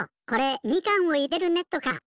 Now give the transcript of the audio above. これみかんを入れるネットか！